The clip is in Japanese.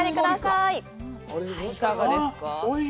いかがですか。